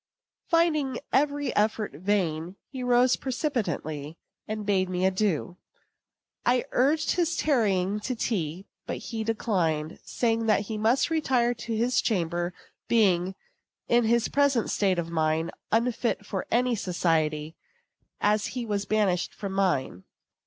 Finding every effort vain, he rose precipitately, and bade me adieu. I urged his tarrying to tea; but he declined, saying that he must retire to his chamber, being, in his present state of mind, unfit for any society, as he was banished from mine.